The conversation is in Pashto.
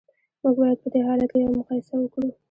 موږ باید په دې حالت کې یوه مقایسه وکړو